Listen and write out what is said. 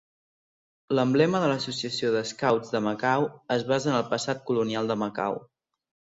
L'emblema de l'Associació de Scouts de Macau es basa en el passat colonial de Macau.